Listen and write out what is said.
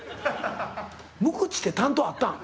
無口って担当あったん？